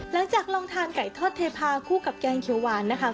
หลังจากลองทานไก่ทอดเทพาคู่กับแกงเขียวหวานนะคะ